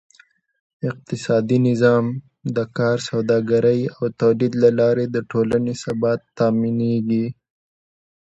اقتصادي نظام: د کار، سوداګرۍ او تولید له لارې د ټولنې ثبات تأمینېږي.